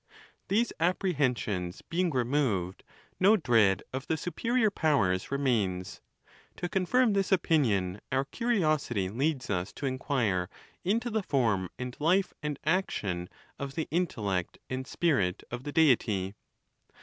These appre hensions being removed, no dread of the superior powers remains. To confirm this opinion, our curiosity leads us to inquire into the form and life and action of the intellect and spirit of the Deity.